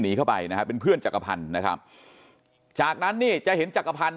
หนีเข้าไปนะฮะเป็นเพื่อนจักรพันธ์นะครับจากนั้นนี่จะเห็นจักรพันธ